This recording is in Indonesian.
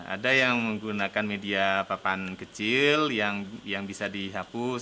ada yang menggunakan media papan kecil yang bisa dihapus